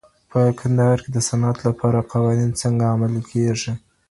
په کندهار کي د صنعت لپاره قوانین څنګه عملي کېږي؟